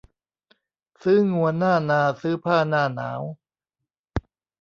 ซื้องัวหน้านา ซื้อผ้าหน้าหนาว